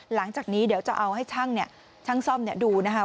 หลังจากนี้เดี๋ยวจะเอาให้ช่างซ่อมดูนะคะ